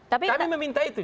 tapi kami meminta itu